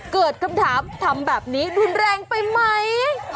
เกิดคำถามทำแบบนี้รุนแรงไปไหม